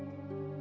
aku mau makan